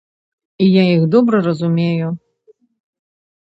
І я іх добра разумею!